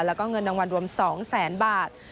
แล้วก็เงินรางวัลรวม๒แสนบาท